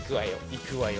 いくわよ。